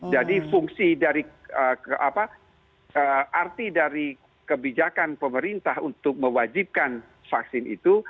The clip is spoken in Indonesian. jadi fungsi dari arti dari kebijakan pemerintah untuk mewajibkan vaksin itu